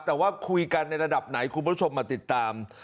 แต่ว่าคุยกันในระดับไหนคุณผู้ชมมาติดตาม